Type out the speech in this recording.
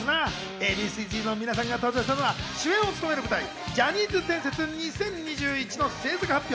Ａ．Ｂ．Ｃ−Ｚの皆さんが登場したのは主演を務める舞台『ジャニーズ伝説２０２１』の制作発表。